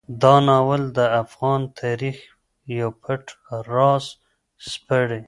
دا ناول د افغان تاریخ یو پټ راز سپړي.